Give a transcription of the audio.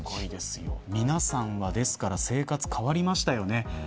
皆さんは生活変わりましたよね。